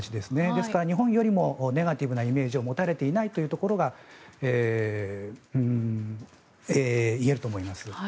ですから日本よりもネガティブなイメージを持たれていないというところが言えると思います。